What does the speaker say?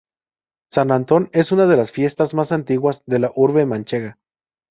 San Antón es una de las fiestas más antiguas de la urbe manchega.